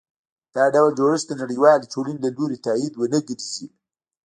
دا ډول جوړښت د نړیوالې ټولنې له لوري تایید ونه ګرځي.